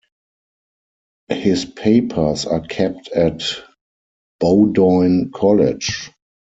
His papers are kept at Bowdoin College.